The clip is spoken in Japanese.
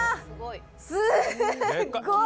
すっごい！